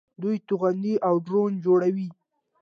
دوی توغندي او ډرون جوړوي.